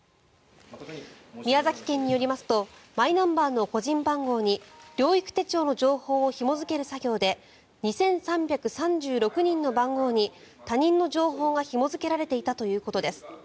宮崎県によりますとマイナンバーの個人番号に療育手帳の情報をひも付ける作業で２３３６人の番号に他人の情報がひも付けられていたということです。